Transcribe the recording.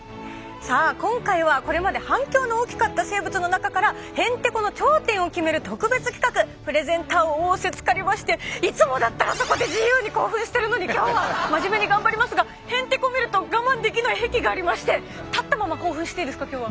さあ今回はこれまで反響の大きかった生物の中からへんてこの頂点を決める特別企画プレゼンターを仰せつかりましていつもだったらあそこで自由に興奮してるのに今日は真面目に頑張りますがへんてこ見ると我慢できない癖がありまして立ったまま興奮していいですか今日は。